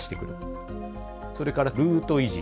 それからルート維持。